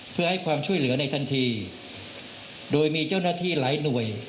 เพื่อให้ความช่วยเหลือในทันทีโดยมีเจ้าหน้าที่หลายหน่วย